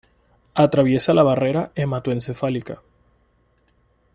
Atraviesa la barrera hematoencefálica.